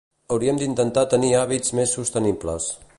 Hauríem d'intentar tenir hàbits més sostenibles.